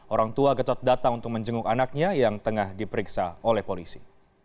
orang tua getot datang untuk menjenguk anaknya yang tengah diperiksa oleh polisi